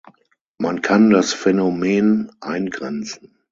Man kann das Phänomen eingrenzen.